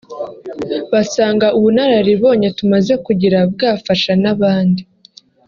basanga ubunararibonye tumaze kugira bwafasha n’abandi